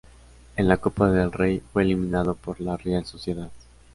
En la copa del rey fue eliminado por la Real Sociedad.